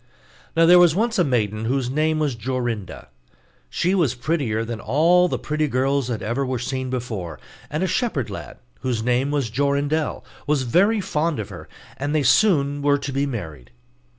Now there was once a maiden whose name was Jorinda. She was prettier than all the pretty girls that ever were seen before, and a shepherd lad, whose name was Jorindel, was very fond of her, and they were soon to be married.